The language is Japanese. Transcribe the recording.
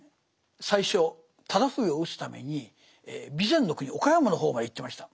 最初直冬を討つために備前国岡山の方まで行ってました。